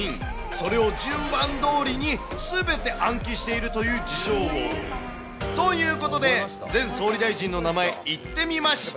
それを順番どおりにすべて暗記しているという自称王。ということで全総理大臣の名前、言ってみました。